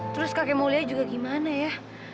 terus kakek mau lia juga gimana ya